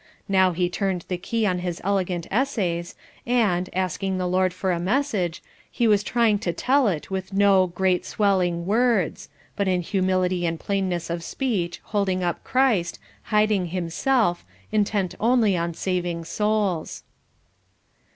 Now he turned the key on his elegant essays, and, asking the Lord for a message, he was trying to tell it with no "great swelling words," but in humility and plainness of speech, holding up Christ, hiding himself, intent only on saving souls.